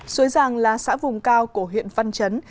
xuế giang là xã vùng cao của huyện văn chấn